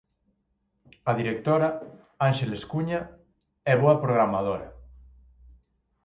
A directora, Ánxeles Cuña, é boa programadora.